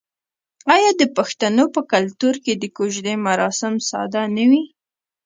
آیا د پښتنو په کلتور کې د کوژدې مراسم ساده نه وي؟